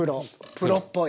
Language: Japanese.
プロっぽい！